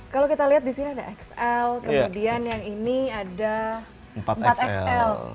kalau kita lihat di sini ada xl kemudian yang ini ada empat xl